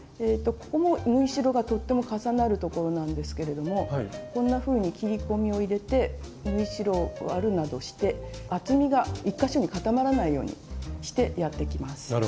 ここも縫い代がとっても重なるところなんですけれどもこんなふうに切り込みを入れて縫い代を割るなどして厚みが１か所に固まらないようにしてやっていきます。